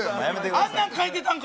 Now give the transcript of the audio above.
あんなん書いてたんか。